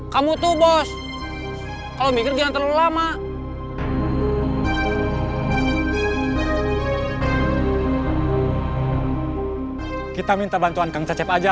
kamu tuh bos kalau mikir jangan terlalu lama kita minta bantuan kang cecep aja